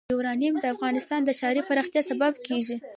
یورانیم د افغانستان د ښاري پراختیا سبب کېږي.